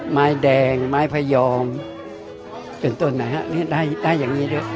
ไม้แดงไม้พยอมเป็นต้นไหนฮะได้อย่างนี้ด้วย